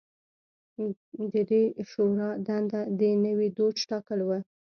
د دې شورا دنده د نوي دوج ټاکل و